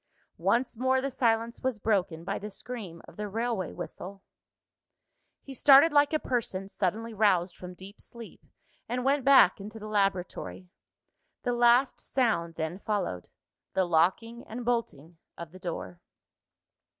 Once more the silence was broken by the scream of the railway whistle. He started like a person suddenly roused from deep sleep, and went back into the laboratory. The last sound then followed the locking and bolting of the door.